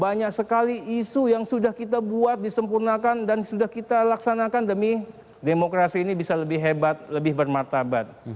banyak sekali isu yang sudah kita buat disempurnakan dan sudah kita laksanakan demi demokrasi ini bisa lebih hebat lebih bermartabat